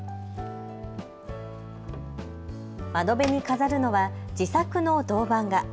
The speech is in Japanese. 窓辺に飾るのは自作の銅版画。